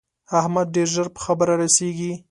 احمد ډېر ژر په خبره رسېږي.